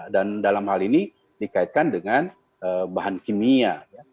dalam hal ini dikaitkan dengan bahan kimia